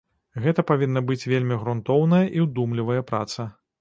Гэта павінна быць вельмі грунтоўная і ўдумлівая праца.